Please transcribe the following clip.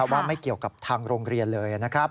ว่าไม่เกี่ยวกับทางโรงเรียนเลยนะครับ